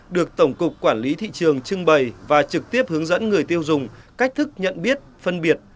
được tổng cục quản lý thị trường trưng bày và trực tiếp hướng dẫn người tiêu dùng cách thức nhận biết phân biệt